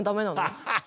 ハハハハ。